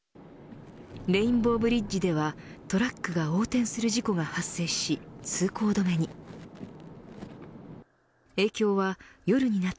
レインボーブリッジではトラックが横転する事故が発生し通行止めに。